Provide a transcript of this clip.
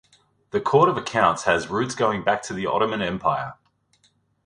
The Court of Accounts has roots going back to the Ottoman Empire.